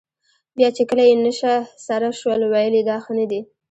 بیا چې کله یې نشه سر شول ویل یې دا ښه نه دي.